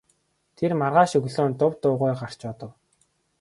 Тэр маргааш өглөө нь дув дуугүй гарч одов.